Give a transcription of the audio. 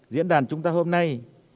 diễn đàn chúng ta hôm nay